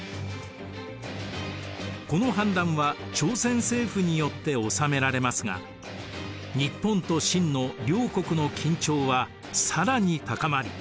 この反乱は朝鮮政府によって治められますが日本と清の両国の緊張はさらに高まり。